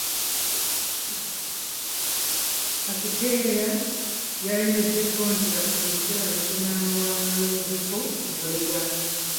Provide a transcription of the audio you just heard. Akitela yalemelako nti basenguke, baleke ne maama wa Lodipo emabega.